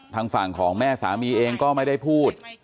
ทางฝั่งของแม่สามีเองก็ไม่ได้พูด